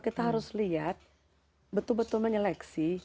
kita harus lihat betul betul menyeleksi